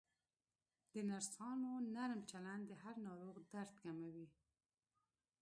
د نرسانو نرم چلند د هر ناروغ درد کموي.